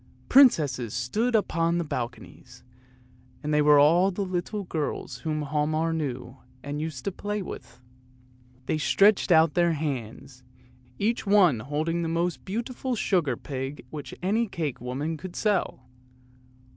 Princesses stood upon the balconies, and they were all little girls whom Hialmar knew and used to play with. 352 ANDERSEN'S FAIRY TALES They stretched out their hands, each one holding the most beautiful sugar pig which any cakewoman could sell.